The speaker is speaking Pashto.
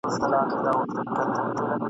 غزل مي درلېږمه خوښوې یې او که نه !.